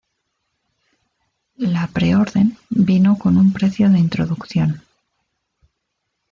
La pre-orden vino con un precio de introducción.